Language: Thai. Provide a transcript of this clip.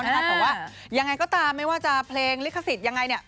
แต่ว่ายังไงก็ตามไม่ว่าจะเพลงลิขสิทธิ์ยังไง